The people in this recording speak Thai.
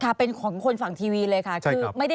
ค่ะเป็นของคนฝั่งทีวีเลยค่ะ